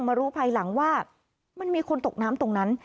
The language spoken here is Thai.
มารู้ภายหลังว่ามันมีคนตกน้ำตรงนั้น